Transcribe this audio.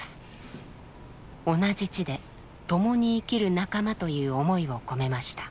「同じ地でともに生きる仲間」という思いを込めました。